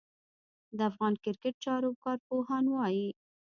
د افغان کرېکټ چارو کارپوهان وايي